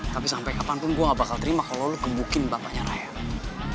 tapi sampai kapanpun gue gak bakal terima kalau lo gembukin bapaknya rakyat